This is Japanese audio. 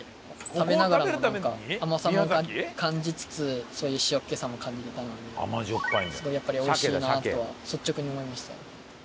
食べながらも甘さも感じつつ塩っけさも感じられたのでやっぱりおいしいなとは率直に思いました。